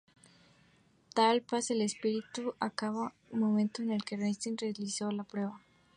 Tal paz de espíritu acabó en el momento en que Raistlin realizó la prueba.